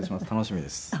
楽しみです。